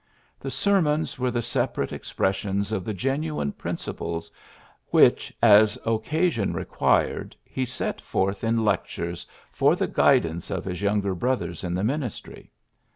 The sermons were the sepa rate expressions of the general principles, which, as occasion required, he set forth in lectures for the guidance of his younger brothers in the ministry.